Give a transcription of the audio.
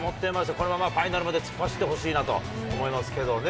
このままファイナルまで突っ走ってほしいと思いますけれどもね。